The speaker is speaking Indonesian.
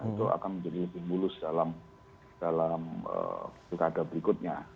itu akan menjadi lebih mulus dalam pilkada berikutnya